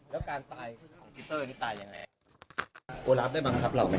แล้วการตายของกิฟเตอร์กิฟตายอย่างแรก